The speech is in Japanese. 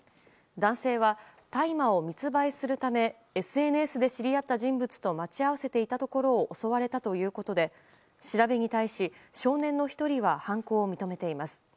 男性は、大麻を密売するためＳＮＳで知り合った人物と待ち合わせていたところを襲われたということで調べに対し、少年の１人は犯行を認めています。